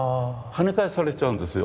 はね返されちゃうんですよ。